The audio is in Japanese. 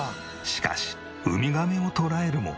しかしウミガメを捉えるも。